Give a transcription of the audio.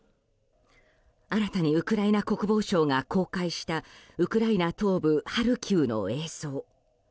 新たにウクライナ国防省が公開したウクライナ東部ハルキウの映像。